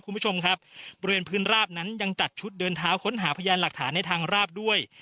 คุณผู้ชมครับบริเวณพื้นราบนั้นยังจัดชุดเดินเท้าค้นหาพยานหลักฐานในทางราบด้วย